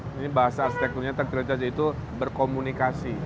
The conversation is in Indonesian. ini bahasa aztek dunia taktilitas itu berkomunikasi